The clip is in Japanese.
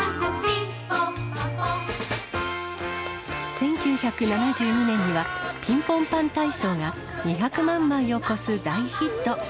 １９７２年にはピンポンパン体操が２００万枚を超す大ヒット。